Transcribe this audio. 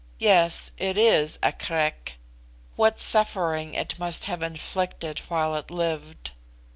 Yes, it IS a Krek; what suffering it must have inflicted while it lived!"